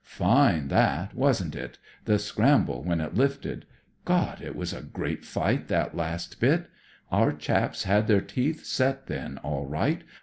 Fine, that, wasn't it ? the scramble when it lifted. God 1 it was a great fight, that last bit. Our chaps had their teeth set then, all right.